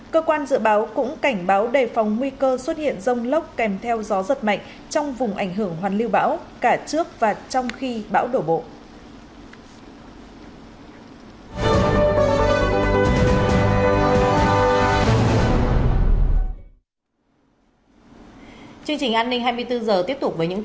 cơ quan dự báo cũng cảnh báo đề phòng nguy cơ xuất hiện rông lốc kèm theo gió giật mạnh trong vùng ảnh hưởng hoàn lưu bão cả trước và trong khi bão đổ bộ